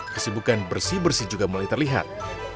kesibukan bersih bersih juga mulai terlihat